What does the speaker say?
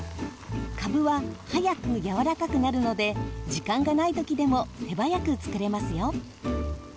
かぶは早くやわらかくなるので時間がないときでも手早く作れますよ。